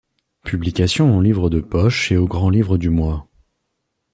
Publication en livre de poche et au Grand Livre du mois.